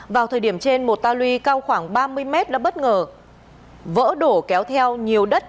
vào thời điểm trên một ta lui cao khoảng ba mươi mét đã bất ngờ vỡ đổ kéo theo nhiều đất